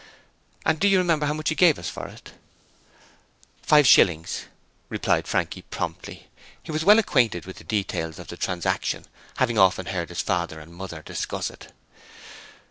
'And do you remember how much he gave us for it?' 'Five shillings,' replied Frankie, promptly. He was well acquainted with the details of the transaction, having often heard his father and mother discuss it.